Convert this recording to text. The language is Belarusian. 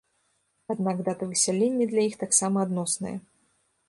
Аднак дата высялення для іх таксама адносная.